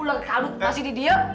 ular aduh masih didiam